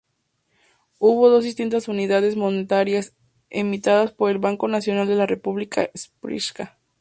Hubo dos distintas unidades monetarias emitidas por el Banco Nacional de la República Srpska.